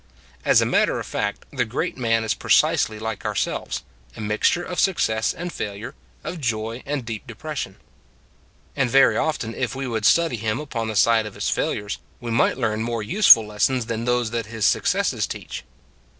As a matter of fact, the great man is precisely like ourselves, a mixture of success and failure, of joy and deep de pression. And very often if we would study him upon the side of his failures, we might learn more useful lessons than those that his successes teach.